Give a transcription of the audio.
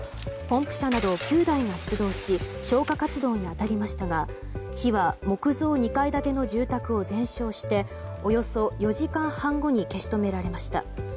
ポンプ車など９台が出動し消火活動に当たりましたが火は木造２階建ての住宅を全焼しておよそ４時間半後に消し止められました。